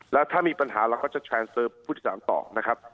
และถ้ามีปัญหาเราจะนัดพูดสั่งมันต่อ